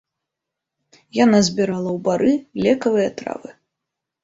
Яна збірала ў бары лекавыя травы.